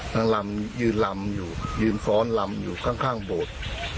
ลำยืนลำอยู่ยืนฟ้อนลำอยู่ข้างโบสถ์